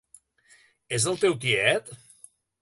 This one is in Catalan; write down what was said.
És el teu tiet?